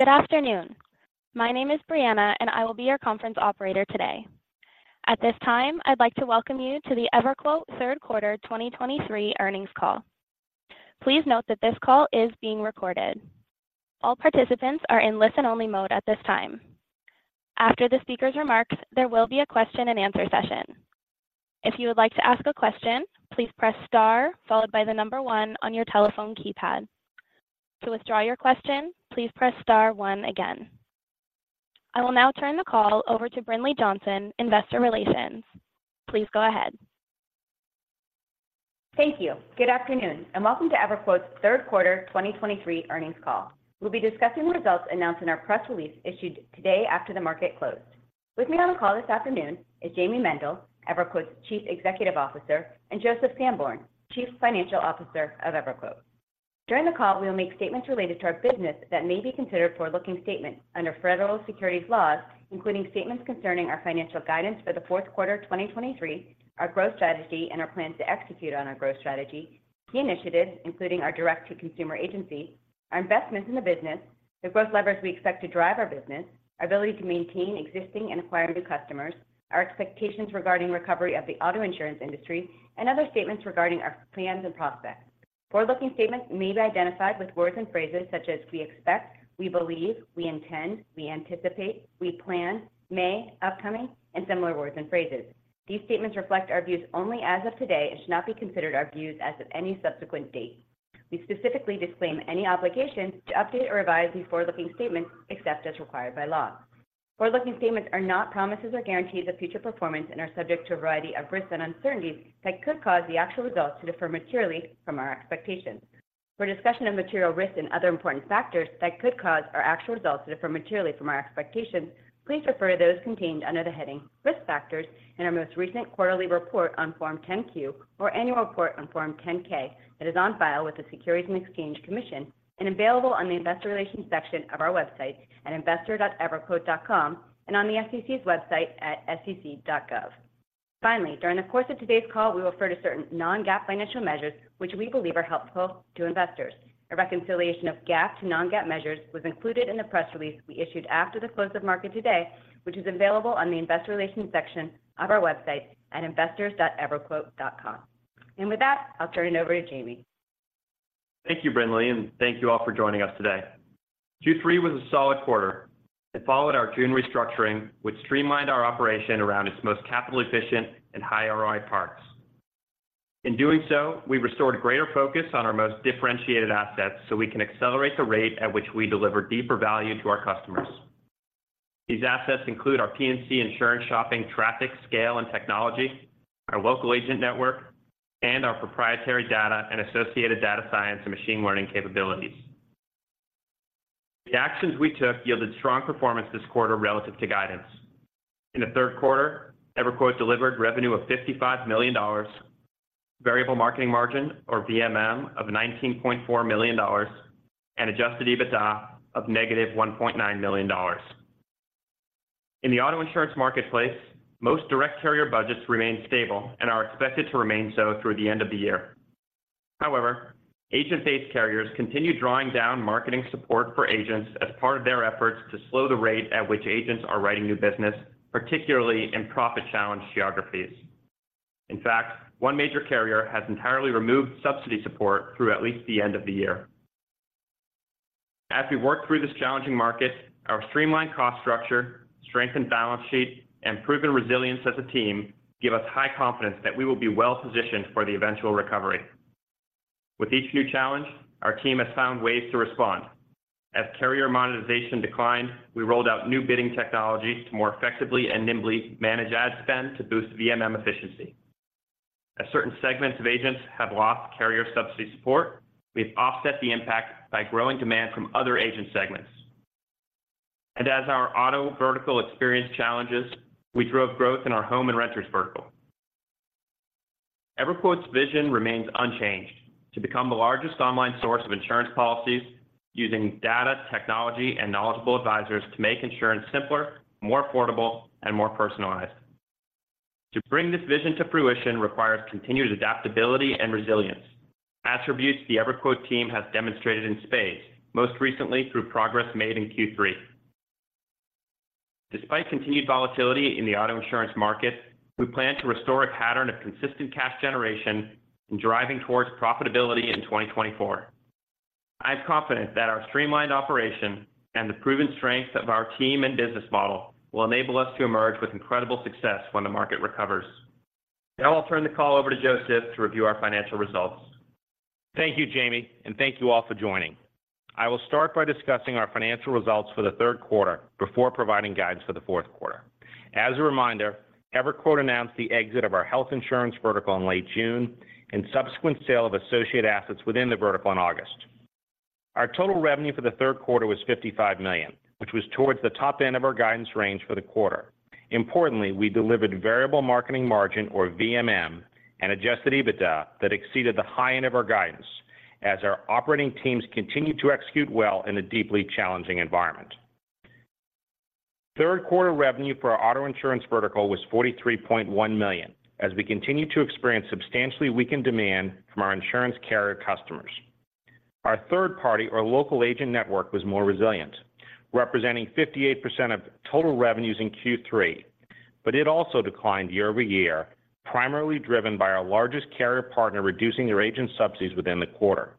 Good afternoon. My name is Brianna, and I will be your conference operator today. At this time, I'd like to welcome you to the EverQuote Third Quarter 2023 Earnings Call. Please note that this call is being recorded. All participants are in listen-only mode at this time. After the speaker's remarks, there will be a question-and-answer session. If you would like to ask a question, please press star followed by the number one on your telephone keypad. To withdraw your question, please press star one again. I will now turn the call over to Brinlea Johnson, Investor Relations. Please go ahead. Thank you. Good afternoon, and welcome to EverQuote's Third Quarter 2023 Earnings Call. We'll be discussing results announced in our press release issued today after the market closed. With me on the call this afternoon is Jayme Mendal, EverQuote's Chief Executive Officer, and Joseph Sanborn, Chief Financial Officer of EverQuote. During the call, we'll make statements related to our business that may be considered forward-looking statements under federal securities laws, including statements concerning our financial guidance for the fourth quarter of 2023, our growth strategy and our plans to execute on our growth strategy, key initiatives, including our direct-to-consumer agency, our investments in the business, the growth levers we expect to drive our business, our ability to maintain existing and acquire new customers, our expectations regarding recovery of the auto insurance industry, and other statements regarding our plans and prospects. Forward-looking statements may be identified with words and phrases such as we expect, we believe, we intend, we anticipate, we plan, may, upcoming, and similar words and phrases. These statements reflect our views only as of today and should not be considered our views as of any subsequent date. We specifically disclaim any obligation to update or revise these forward-looking statements, except as required by law. Forward-looking statements are not promises or guarantees of future performance and are subject to a variety of risks and uncertainties that could cause the actual results to differ materially from our expectations. For a discussion of material risks and other important factors that could cause our actual results to differ materially from our expectations, please refer to those contained under the heading Risk Factors in our most recent quarterly report on Form 10-Q or annual report on Form 10-K. It is on file with the Securities and Exchange Commission and available on the Investor Relations section of our website at investor.everquote.com and on the SEC's website at sec.gov. Finally, during the course of today's call, we refer to certain non-GAAP financial measures, which we believe are helpful to investors. A reconciliation of GAAP to non-GAAP measures was included in the press release we issued after the close of market today, which is available on the Investor Relations section of our website at investor.everquote.com. With that, I'll turn it over to Jayme. Thank you, Brinlea, and thank you all for joining us today. Q3 was a solid quarter. It followed our June restructuring, which streamlined our operation around its most capital-efficient and high ROI parts. In doing so, we restored greater focus on our most differentiated assets, so we can accelerate the rate at which we deliver deeper value to our customers. These assets include our P&C insurance shopping, traffic, scale, and technology, our local agent network, and our proprietary data and associated data science and machine learning capabilities. The actions we took yielded strong performance this quarter relative to guidance. In the third quarter, EverQuote delivered revenue of $55 million, variable marketing margin, or VMM, of $19.4 million, and adjusted EBITDA of -$1.9 million. In the auto insurance marketplace, most direct carrier budgets remain stable and are expected to remain so through the end of the year. However, agent-based carriers continue drawing down marketing support for agents as part of their efforts to slow the rate at which agents are writing new business, particularly in profit-challenged geographies. In fact, one major carrier has entirely removed subsidy support through at least the end of the year. As we work through this challenging market, our streamlined cost structure, strengthened balance sheet, and proven resilience as a team give us high confidence that we will be well-positioned for the eventual recovery. With each new challenge, our team has found ways to respond. As carrier monetization declined, we rolled out new bidding technology to more effectively and nimbly manage ad spend to boost VMM efficiency. As certain segments of agents have lost carrier subsidy support, we've offset the impact by growing demand from other agent segments. As our auto vertical experiences challenges, we drove growth in our home and renters vertical. EverQuote's vision remains unchanged: to become the largest online source of insurance policies using data, technology, and knowledgeable advisors to make insurance simpler, more affordable, and more personalized. To bring this vision to fruition requires continuous adaptability and resilience, attributes the EverQuote team has demonstrated in spades, most recently through progress made in Q3. Despite continued volatility in the auto insurance market, we plan to restore a pattern of consistent cash generation and driving towards profitability in 2024. I'm confident that our streamlined operation and the proven strength of our team and business model will enable us to emerge with incredible success when the market recovers. Now I'll turn the call over to Joseph to review our financial results. Thank you, Jayme, and thank you all for joining. I will start by discussing our financial results for the third quarter before providing guidance for the fourth quarter. As a reminder, EverQuote announced the exit of our health insurance vertical in late June and subsequent sale of associated assets within the vertical in August. Our total revenue for the third quarter was $55 million, which was towards the top end of our guidance range for the quarter. Importantly, we delivered variable marketing margin, or VMM, and adjusted EBITDA that exceeded the high end of our guidance as our operating teams continued to execute well in a deeply challenging environment. Third quarter revenue for our auto insurance vertical was $43.1 million, as we continued to experience substantially weakened demand from our insurance carrier customers. Our third-party or local agent network was more resilient, representing 58% of total revenues in Q3, but it also declined year-over-year, primarily driven by our largest carrier partner reducing their agent subsidies within the quarter.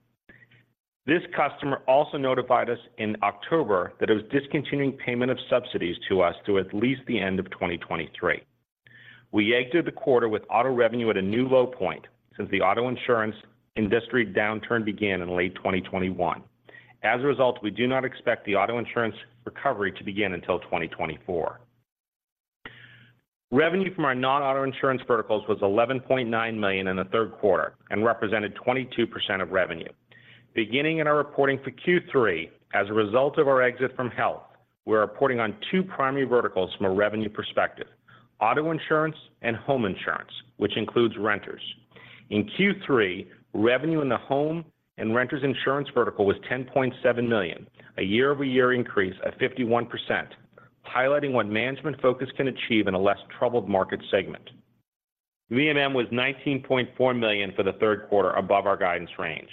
This customer also notified us in October that it was discontinuing payment of subsidies to us to at least the end of 2023. We exited the quarter with auto revenue at a new low point since the auto insurance industry downturn began in late 2021. As a result, we do not expect the auto insurance recovery to begin until 2024. Revenue from our non-auto insurance verticals was $11.9 million in the third quarter and represented 22% of revenue. Beginning in our reporting for Q3, as a result of our exit from health, we're reporting on two primary verticals from a revenue perspective: auto insurance and home insurance, which includes renters. In Q3, revenue in the home and renters insurance vertical was $10.7 million, a year-over-year increase of 51%, highlighting what management focus can achieve in a less troubled market segment. VMM was $19.4 million for the third quarter, above our guidance range.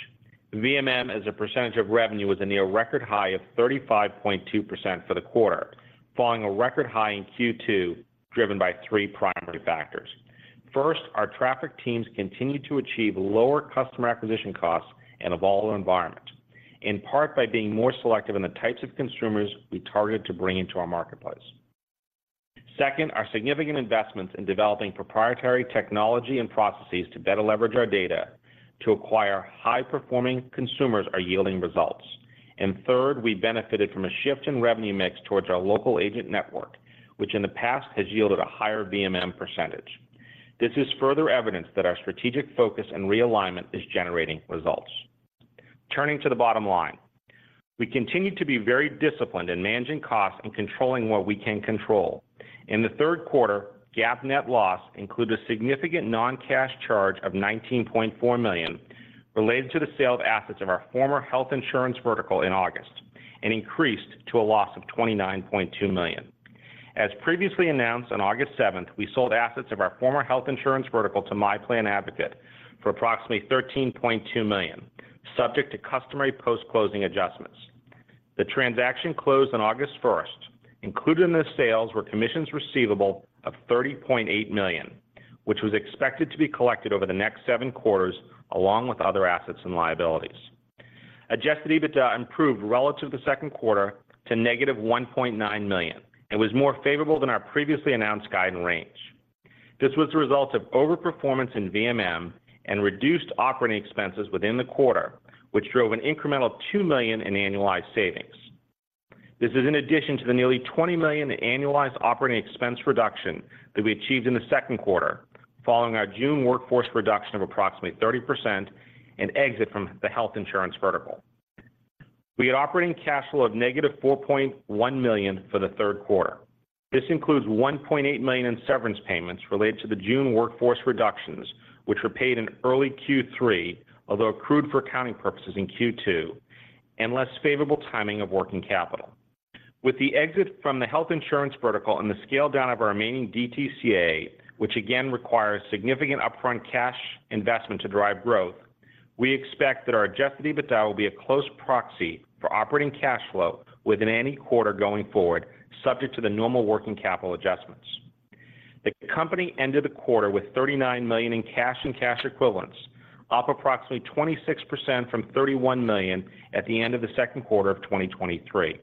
VMM, as a percentage of revenue, was a near record high of 35.2% for the quarter, following a record high in Q2, driven by three primary factors. First, our traffic teams continued to achieve lower customer acquisition costs in a volatile environment, in part, by being more selective in the types of consumers we targeted to bring into our marketplace. Second, our significant investments in developing proprietary technology and processes to better leverage our data to acquire high-performing consumers are yielding results. And third, we benefited from a shift in revenue mix towards our local agent network, which in the past has yielded a higher VMM percentage. This is further evidence that our strategic focus and realignment is generating results. Turning to the bottom line, we continue to be very disciplined in managing costs and controlling what we can control. In the third quarter, GAAP net loss included a significant non-cash charge of $19.4 million related to the sale of assets of our former health insurance vertical in August and increased to a loss of $29.2 million. As previously announced on August 7th, we sold assets of our former health insurance vertical to MyPlanAdvocate for approximately $13.2 million, subject to customary post-closing adjustments. The transaction closed on August 1st. Included in the sales were commissions receivable of $30.8 million, which was expected to be collected over the next seven quarters, along with other assets and liabilities. Adjusted EBITDA improved relative to the second quarter to -$1.9 million and was more favorable than our previously announced guidance range. This was a result of overperformance in VMM and reduced operating expenses within the quarter, which drove an incremental $2 million in annualized savings. This is in addition to the nearly $20 million in annualized operating expense reduction that we achieved in the second quarter, following our June workforce reduction of approximately 30% and exit from the health insurance vertical. We had operating cash flow of -$4.1 million for the third quarter. This includes $1.8 million in severance payments related to the June workforce reductions, which were paid in early Q3, although accrued for accounting purposes in Q2, and less favorable timing of working capital. With the exit from the health insurance vertical and the scale down of our remaining DTCA, which again, requires significant upfront cash investment to drive growth, we expect that our adjusted EBITDA will be a close proxy for operating cash flow within any quarter going forward, subject to the normal working capital adjustments. The company ended the quarter with $39 million in cash and cash equivalents, up approximately 26% from $31 million at the end of the second quarter of 2023.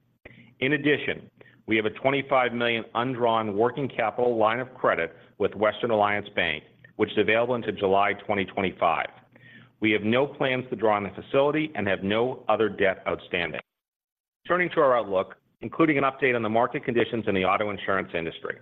In addition, we have a $25 million undrawn working capital line of credit with Western Alliance Bank, which is available until July 2025. We have no plans to draw on the facility and have no other debt outstanding. Turning to our outlook, including an update on the market conditions in the auto insurance industry.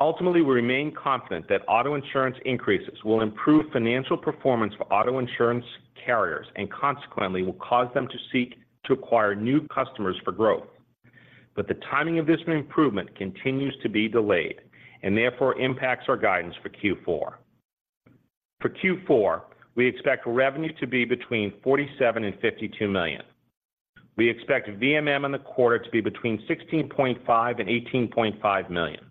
Ultimately, we remain confident that auto insurance increases will improve financial performance for auto insurance carriers and consequently, will cause them to seek to acquire new customers for growth. But the timing of this improvement continues to be delayed and therefore impacts our guidance for Q4. For Q4, we expect revenue to be between $47 million and $52 million. We expect VMM in the quarter to be between $16.5 million and $18.5 million,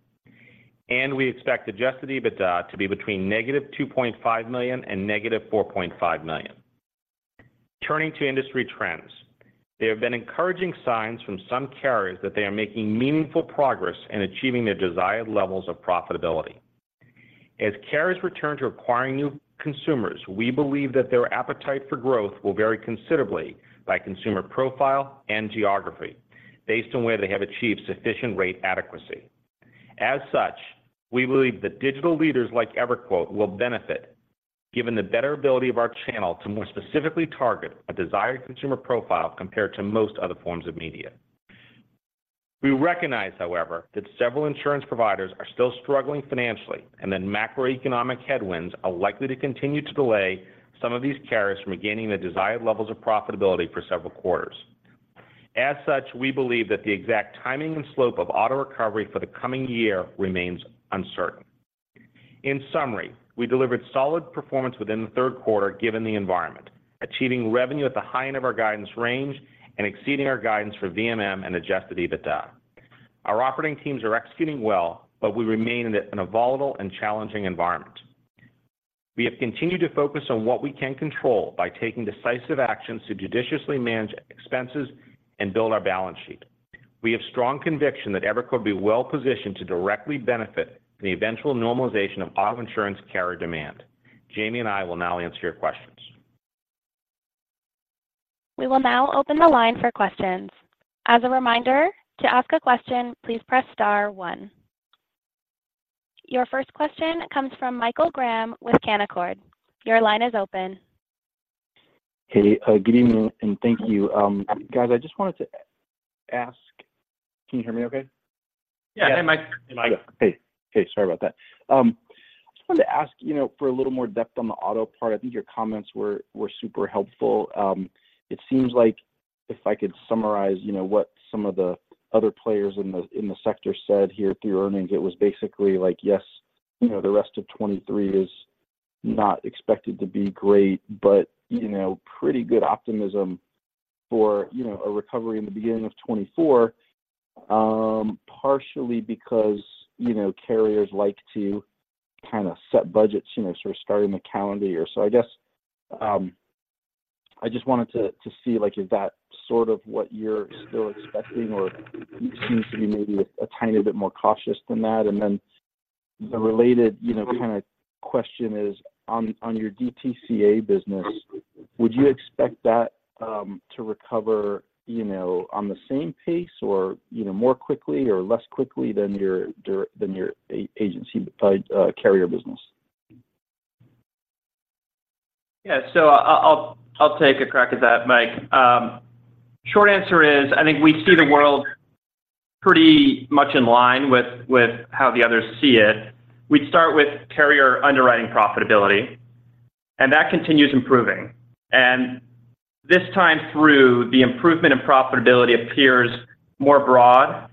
and we expect adjusted EBITDA to be between -$2.5 million and -$4.5 million. Turning to industry trends, there have been encouraging signs from some carriers that they are making meaningful progress in achieving their desired levels of profitability. As carriers return to acquiring new consumers, we believe that their appetite for growth will vary considerably by consumer profile and geography based on where they have achieved sufficient rate adequacy. As such, we believe that digital leaders like EverQuote will benefit, given the better ability of our channel to more specifically target a desired consumer profile compared to most other forms of media. We recognize, however, that several insurance providers are still struggling financially, and that macroeconomic headwinds are likely to continue to delay some of these carriers from regaining their desired levels of profitability for several quarters. As such, we believe that the exact timing and slope of auto recovery for the coming year remains uncertain. In summary, we delivered solid performance within the third quarter, given the environment, achieving revenue at the high end of our guidance range and exceeding our guidance for VMM and adjusted EBITDA. Our operating teams are executing well, but we remain in a volatile and challenging environment. We have continued to focus on what we can control by taking decisive actions to judiciously manage expenses and build our balance sheet. We have strong conviction that EverQuote will be well-positioned to directly benefit the eventual normalization of auto insurance carrier demand. Jayme and I will now answer your questions. We will now open the line for questions. As a reminder, to ask a question, please press star one. Your first question comes from Michael Graham with Canaccord. Your line is open. Hey, good evening and thank you. Guys, I just wanted to ask, can you hear me okay? Yeah. Hey, Mike. Hey. Okay, sorry about that. I just wanted to ask, you know, for a little more depth on the auto part. I think your comments were super helpful. It seems like if I could summarize, you know, what some of the other players in the sector said here through earnings, it was basically like, yes, you know, the rest of 2023 is not expected to be great, but, you know, pretty good optimism for, you know, a recovery in the beginning of 2024, partially because, you know, carriers like to kind of set budgets, you know, sort of starting the calendar year. So I guess, I just wanted to see, like, is that sort of what you're still expecting or seems to be maybe a tiny bit more cautious than that? Then the related, you know, kind of question is, on your DTCA business, would you expect that to recover, you know, on the same pace or, you know, more quickly or less quickly than your agency carrier business? Yeah. So I'll take a crack at that, Mike. Short answer is, I think we see the world pretty much in line with how the others see it. We'd start with carrier underwriting profitability, and that continues improving. And this time through, the improvement in profitability appears more broad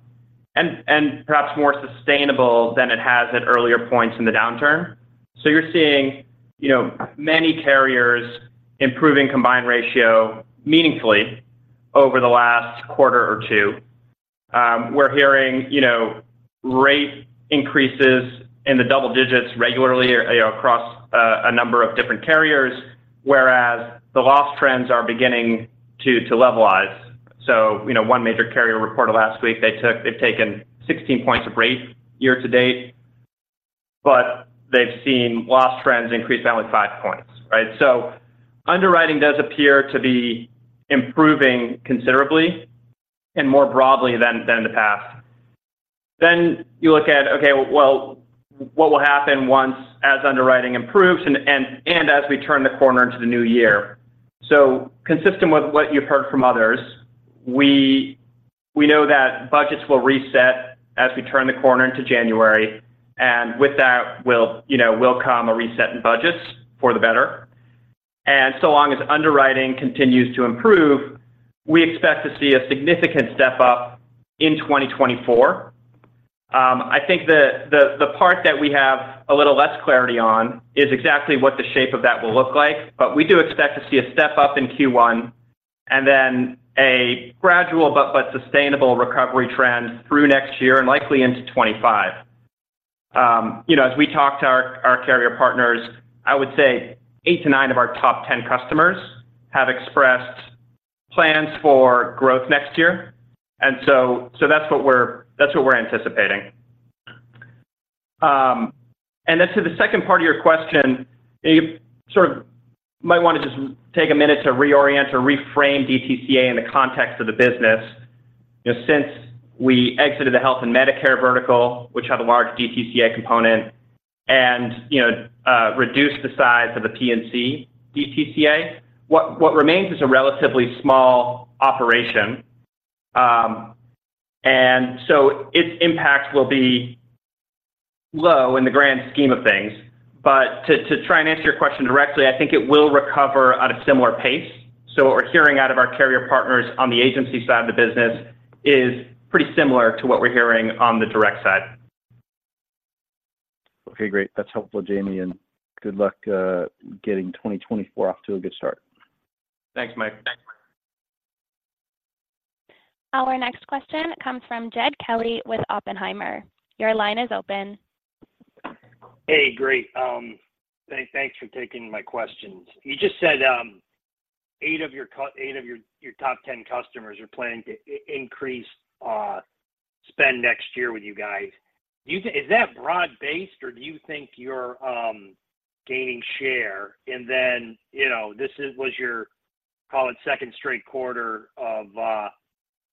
and perhaps more sustainable than it has at earlier points in the downturn. So you're seeing, you know, many carriers improving combined ratio meaningfully over the last quarter or two. We're hearing, you know, rate increases in the double digits regularly across a number of different carriers, whereas the loss trends are beginning to levelize. So, you know, one major carrier reported last week, they've taken 16 points of rate year to date, but they've seen loss trends increase by only five points, right? So underwriting does appear to be improving considerably and more broadly than in the past. Then you look at, okay, well, what will happen once underwriting improves and as we turn the corner into the new year? So consistent with what you've heard from others, we know that budgets will reset as we turn the corner into January, and with that, you know, will come a reset in budgets for the better. And so long as underwriting continues to improve, we expect to see a significant step up in 2024. I think the part that we have a little less clarity on is exactly what the shape of that will look like, but we do expect to see a step up in Q1 and then a gradual but sustainable recovery trend through next year and likely into 2025. You know, as we talk to our carrier partners, I would say 8-9 of our top 10 customers have expressed plans for growth next year. So that's what we're anticipating. And then to the second part of your question, you sort of might want to just take a minute to reorient or reframe DTCA in the context of the business. You know, since we exited the health and Medicare vertical, which had a large DTCA component and, you know, reduced the size of the P&C DTCA, what remains is a relatively small operation. And so its impact will be low in the grand scheme of things. But to try and answer your question directly, I think it will recover at a similar pace. So what we're hearing out of our carrier partners on the agency side of the business is pretty similar to what we're hearing on the direct side. Okay, great. That's helpful, Jayme, and good luck getting 2024 off to a good start. Thanks, Mike. Our next question comes from Jed Kelly with Oppenheimer. Your line is open. Hey, great. Thanks for taking my questions. You just said, eight of your top 10 customers are planning to increase spend next year with you guys. Do you think, is that broad-based, or do you think you're gaining share? And then,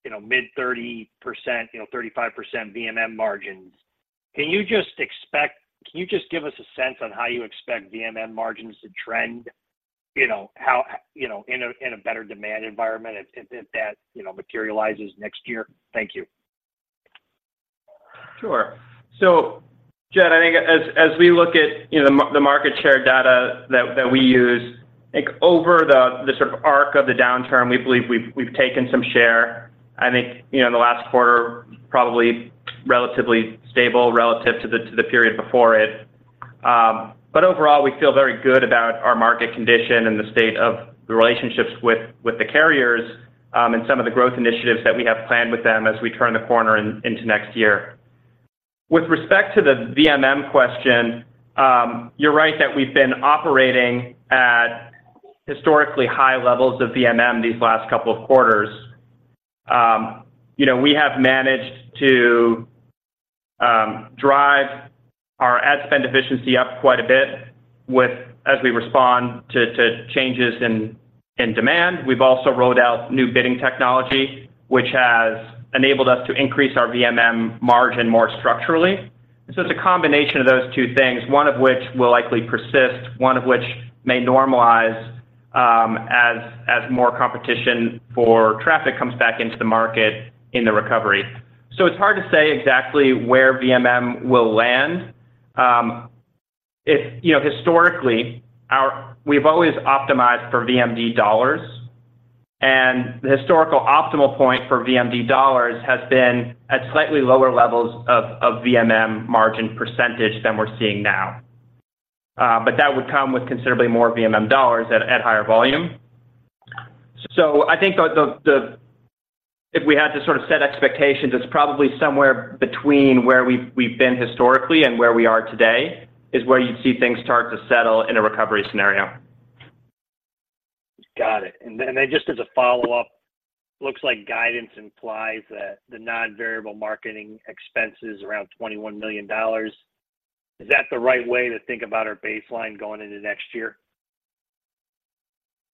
you know, this is, was your, call it second straight quarter of, you know, mid-30%, you know, 35% VMM margins. Can you just give us a sense on how you expect VMM margins to trend? You know, how, you know, in a better demand environment, if that materializes next year. Thank you. Sure. So Jed, I think as we look at, you know, the market share data that we use. I think over the sort of arc of the downturn, we believe we've taken some share. I think, you know, in the last quarter, probably relatively stable relative to the period before it. But overall, we feel very good about our market condition and the state of the relationships with the carriers, and some of the growth initiatives that we have planned with them as we turn the corner into next year. With respect to the VMM question, you're right that we've been operating at historically high levels of VMM these last couple of quarters. You know, we have managed to drive our ad spend efficiency up quite a bit with, as we respond to changes in demand. We've also rolled out new bidding technology, which has enabled us to increase our VMM margin more structurally. So it's a combination of those two things, one of which will likely persist, one of which may normalize, as more competition for traffic comes back into the market in the recovery. So it's hard to say exactly where VMM will land. You know, historically, we've always optimized for VMD dollars, and the historical optimal point for VMD dollars has been at slightly lower levels of VMM margin percentage than we're seeing now. But that would come with considerably more VMM dollars at higher volume. I think if we had to sort of set expectations, it's probably somewhere between where we've been historically and where we are today, is where you'd see things start to settle in a recovery scenario. Got it. And then just as a follow-up, looks like guidance implies that the non-variable marketing expense is around $21 million. Is that the right way to think about our baseline going into next year?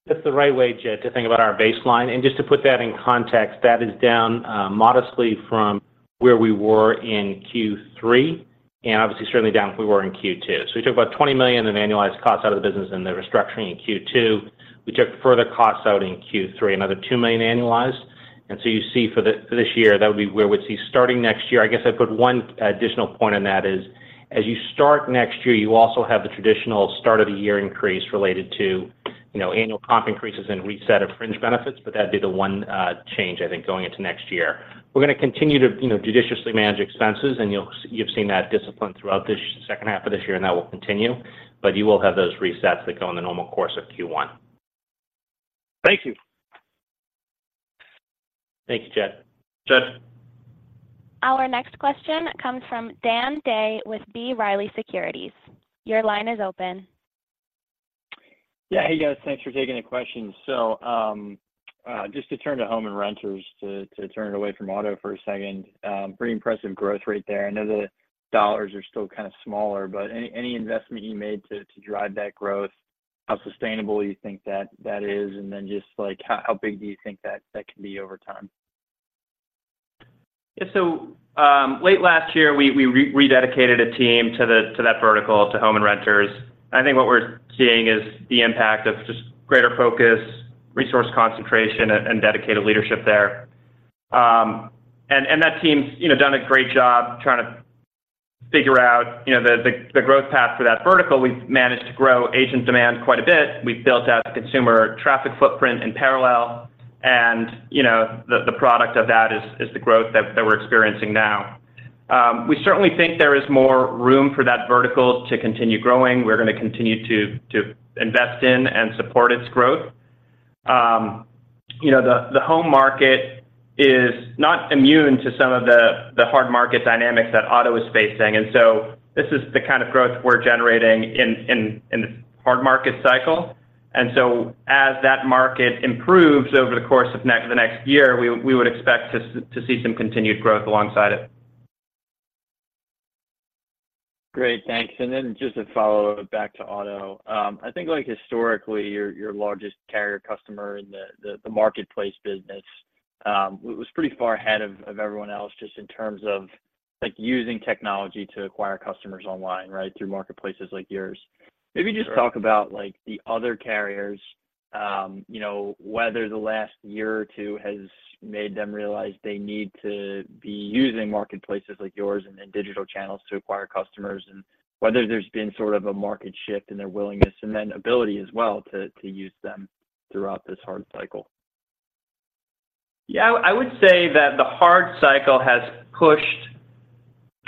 That's the right way, Jed, to think about our baseline. And just to put that in context, that is down modestly from where we were in Q3, and obviously certainly down from where we were in Q2. So we took about $20 million in annualized costs out of the business in the restructuring in Q2. We took further costs out in Q3, another $2 million annualized. And so you see for this year, that would be where we'd see starting next year. I guess I'd put one additional point on that is, as you start next year, you also have the traditional start-of-the-year increase related to, you know, annual comp increases and reset of fringe benefits, but that'd be the one change, I think, going into next year. We're gonna continue to, you know, judiciously manage expenses, and you've seen that discipline throughout this second half of this year, and that will continue, but you will have those resets that go in the normal course of Q1. Thank you. Thanks, Jed. Jed. Our next question comes from Dan Day with B. Riley Securities. Your line is open. Yeah, hey, guys, thanks for taking the question. So, just to turn to home and renters, to turn it away from auto for a second, pretty impressive growth rate there. I know the dollars are still kind of smaller, but any investment you made to drive that growth, how sustainable you think that is? And then just like, how big do you think that can be over time? Yeah, so, late last year, we rededicated a team to the, to that vertical, to home and renters. I think what we're seeing is the impact of just greater focus, resource concentration, and dedicated leadership there. And that team's, you know, done a great job trying to figure out, you know, the growth path for that vertical. We've managed to grow agent demand quite a bit. We've built out a consumer traffic footprint in parallel, and, you know, the product of that is the growth that we're experiencing now. We certainly think there is more room for that vertical to continue growing. We're gonna continue to invest in and support its growth. You know, the home market is not immune to some of the hard market dynamics that auto is facing. This is the kind of growth we're generating in this hard market cycle. As that market improves over the course of the next year, we would expect to see some continued growth alongside it. Great, thanks. And then just a follow-up back to auto. I think, like, historically, your largest carrier customer in the marketplace business was pretty far ahead of everyone else, just in terms of, like, using technology to acquire customers online, right, through marketplaces like yours. Maybe just talk about, like, the other carriers, you know, whether the last year or two has made them realize they need to be using marketplaces like yours and then digital channels to acquire customers, and whether there's been sort of a market shift in their willingness and then ability as well to use them throughout this hard cycle. Yeah, I would say that the hard cycle has pushed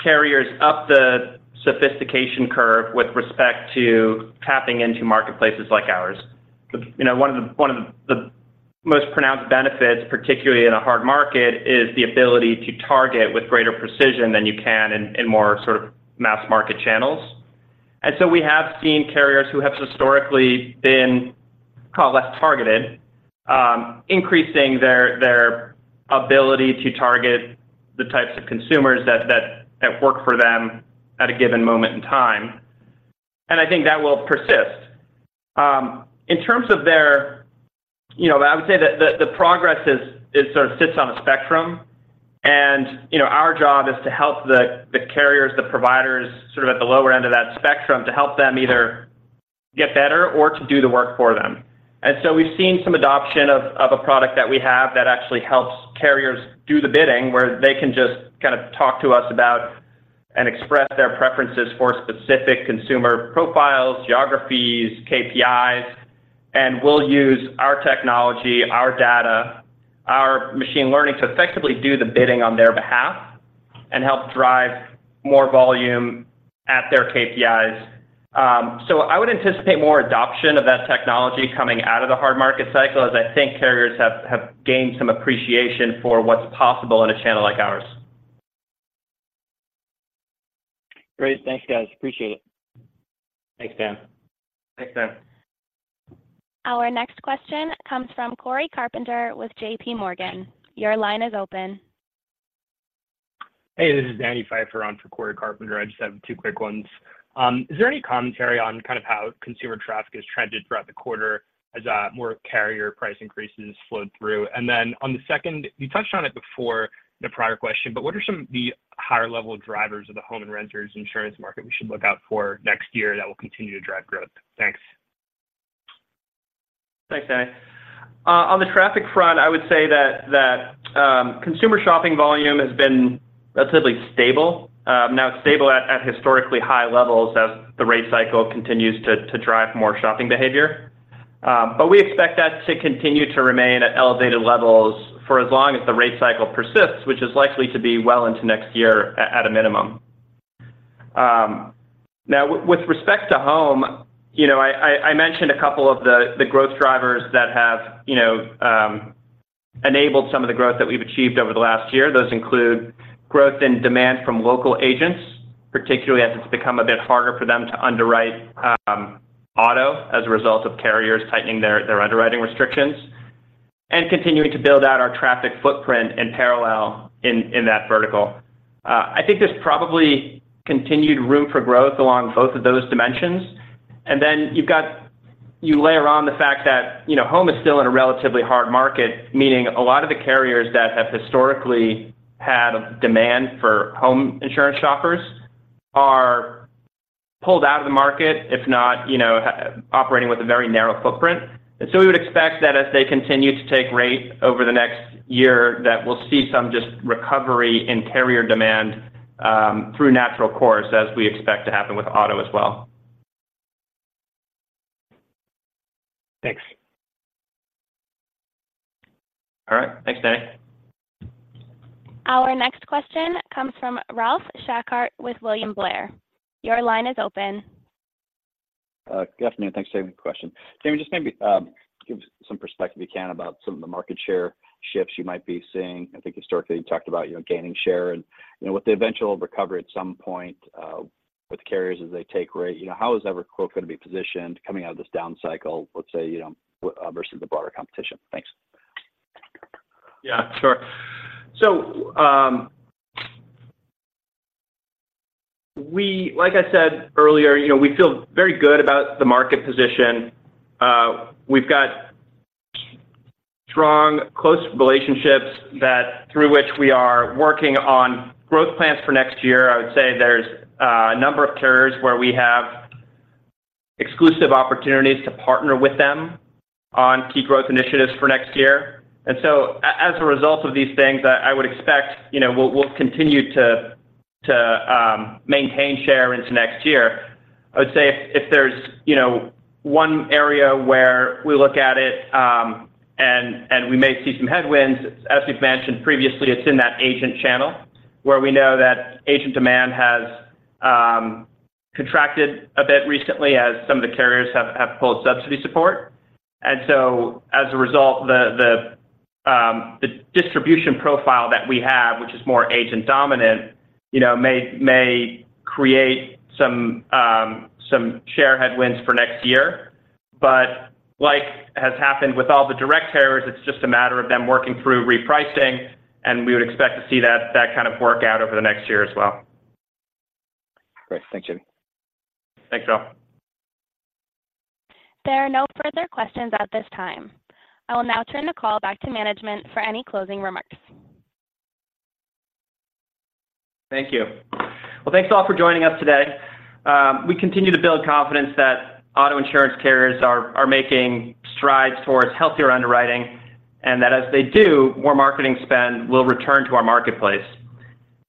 carriers up the sophistication curve with respect to tapping into marketplaces like ours. You know, one of the most pronounced benefits, particularly in a hard market, is the ability to target with greater precision than you can in more sort of mass-market channels. And so we have seen carriers who have historically been less targeted, increasing their ability to target the types of consumers that work for them at a given moment in time. And I think that will persist. In terms of their, you know, but I would say that the progress is, it sort of sits on a spectrum. You know, our job is to help the carriers, the providers, sort of at the lower end of that spectrum, to help them either get better or to do the work for them. And so we've seen some adoption of a product that we have that actually helps carriers do the bidding, where they can just kind of talk to us about, and express their preferences for specific consumer profiles, geographies, KPIs, and we'll use our technology, our data, our machine learning to effectively do the bidding on their behalf and help drive more volume at their KPIs. So I would anticipate more adoption of that technology coming out of the hard market cycle, as I think carriers have gained some appreciation for what's possible in a channel like ours. Great. Thanks, guys. Appreciate it. Thanks, Dan. Thanks, Dan. Our next question comes from Cory Carpenter with JPMorgan. Your line is open. Hey, this is Danny Pfeiffer on for Cory Carpenter. I just have two quick ones. Is there any commentary on kind of how consumer traffic has trended throughout the quarter as more carrier price increases flowed through? And then on the second, you touched on it before in the prior question, but what are some of the higher level drivers of the home and renters insurance market we should look out for next year that will continue to drive growth? Thanks. Thanks, Danny. On the traffic front, I would say that consumer shopping volume has been relatively stable. Now it's stable at historically high levels as the rate cycle continues to drive more shopping behavior. But we expect that to continue to remain at elevated levels for as long as the rate cycle persists, which is likely to be well into next year at a minimum. Now, with respect to home, you know, I mentioned a couple of the growth drivers that have, you know, enabled some of the growth that we've achieved over the last year. Those include growth and demand from local agents, particularly as it's become a bit harder for them to underwrite auto as a result of carriers tightening their underwriting restrictions, and continuing to build out our traffic footprint in parallel in that vertical. I think there's probably continued room for growth along both of those dimensions. And then you've got. You layer on the fact that, you know, home is still in a relatively hard market, meaning a lot of the carriers that have historically had a demand for home insurance shoppers are pulled out of the market, if not, you know, operating with a very narrow footprint. And so we would expect that as they continue to take rate over the next year, that we'll see some just recovery in carrier demand through natural course, as we expect to happen with auto as well. Thanks. All right. Thanks, Danny. Our next question comes from Ralph Schackart with William Blair. Your line is open. Good afternoon. Thanks, Jayme. Question: Jayme, just maybe, give some perspective you can about some of the market share shifts you might be seeing. I think historically, you talked about, you know, gaining share and, you know, with the eventual recovery at some point, with carriers as they take rate, you know, how is EverQuote going to be positioned coming out of this down cycle, let's say, you know, versus the broader competition? Thanks. Yeah, sure. So, like I said earlier, you know, we feel very good about the market position. We've got strong, close relationships that through which we are working on growth plans for next year. I would say there's a number of carriers where we have exclusive opportunities to partner with them on key growth initiatives for next year. And so as a result of these things, I would expect, you know, we'll continue to maintain share into next year. I would say if there's, you know, one area where we look at it and we may see some headwinds, as we've mentioned previously, it's in that agent channel, where we know that agent demand has contracted a bit recently as some of the carriers have pulled subsidy support. And so, as a result, the distribution profile that we have, which is more agent-dominant, you know, may create some share headwinds for next year. But like has happened with all the direct carriers, it's just a matter of them working through repricing, and we would expect to see that kind of work out over the next year as well. Great. Thanks, Jayme. Thanks, Ralph. There are no further questions at this time. I will now turn the call back to management for any closing remarks. Thank you. Well, thanks, all, for joining us today. We continue to build confidence that auto insurance carriers are making strides towards healthier underwriting, and that as they do, more marketing spend will return to our marketplace.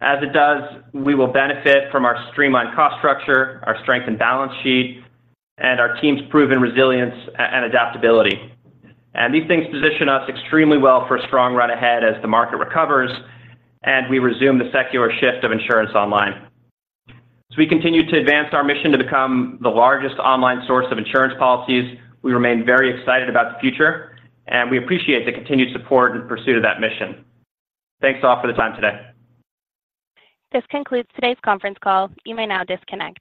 As it does, we will benefit from our streamlined cost structure, our strength and balance sheet, and our team's proven resilience and adaptability. And these things position us extremely well for a strong run ahead as the market recovers, and we resume the secular shift of insurance online. As we continue to advance our mission to become the largest online source of insurance policies, we remain very excited about the future, and we appreciate the continued support in pursuit of that mission. Thanks, all, for the time today. This concludes today's conference call. You may now disconnect.